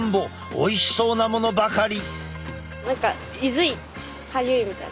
おいしそうなものばかり！